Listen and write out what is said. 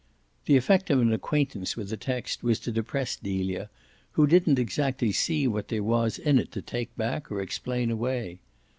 The effect of an acquaintance with the text was to depress Delia, who didn't exactly see what there was in it to take back or explain away.